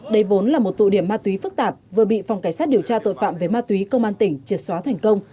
đây vốn là một tụ điểm ma túy phức tạp vừa bị phòng cảnh sát điều tra tội phạm về ma túy công an tỉnh triệt xóa thành công